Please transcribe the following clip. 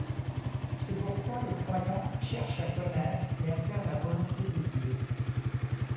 C’est pourquoi le croyant cherche à connaître et à faire la volonté de Dieu.